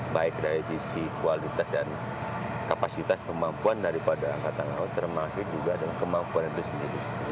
baik dari sisi kualitas dan kapasitas kemampuan daripada angkatan laut termasuk juga dengan kemampuan itu sendiri